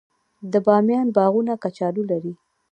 د بامیان باغونه کچالو لري.